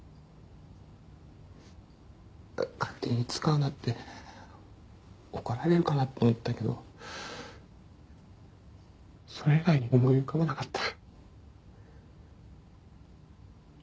勝手に使うなって怒られるかなって思ったけどそれ以外に思い浮かばなかった。